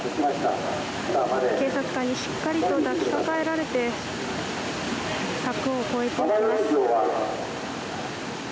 警察官にしっかりと抱きかかえられて柵を越えていきます。